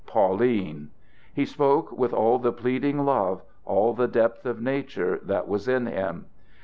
"Pauline!" He spoke with all the pleading love, all the depth of nature, that was in him.